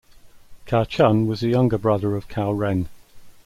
Cao Chun was a younger brother of Cao Ren.